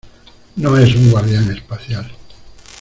¡ No es un guardián espacial!